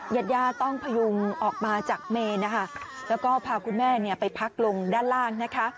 ยัดย่าต้องพยุงออกมาจากเมล์แล้วก็พาคุณแม่ไปพักลงด้านล่าง